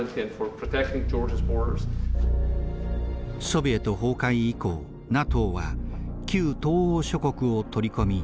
ソビエト崩壊以降ＮＡＴＯは旧東欧諸国を取り込み